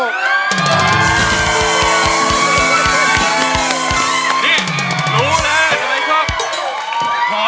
นี่รู้เลยทำไมชอบ